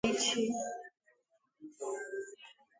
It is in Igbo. ihe nri na ihe ndị ọzọ dị iche-iche.